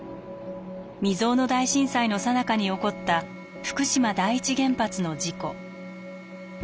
未曽有の大震災のさなかに起こった福島第一原発の事故。